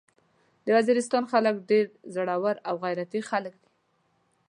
د وزيرستان خلک ډير زړور او غيرتي خلک دي.